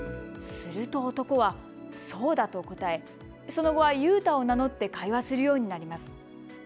すると男は、そうだと答え、その後はユウタを名乗って会話するようになります。